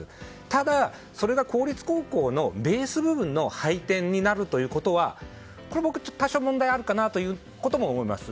ただ、それが公立高校のベース部分の配点になるというのは僕、多少問題があるかなということも思います。